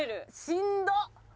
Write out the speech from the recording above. しんどっ！